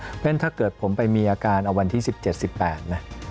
เพราะฉะนั้นถ้าเกิดผมไปมีอาการเอาวันที่๑๗๑๘นะ